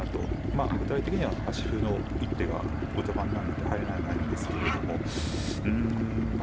まあ具体的には端歩の一手が後手番なので入らないんですけれどもうんま